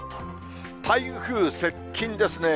台風接近ですね。